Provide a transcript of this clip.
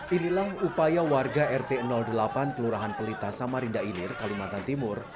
inilah upaya warga rt delapan kelurahan pelita samarinda ilir kalimantan timur